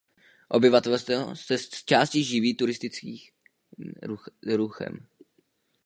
Obyvatelstvo se zčásti živí turistickým ruchem.